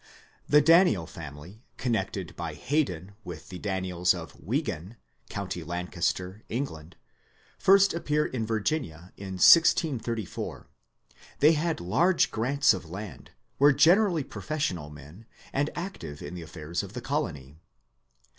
The Daniel family, connected by Hayden with the Daniels of Wigan, County Lancaster, England, first appear in Virginia in 1634. They had large grants of land, were generally pro fessional men, and active in the affairs of the colony.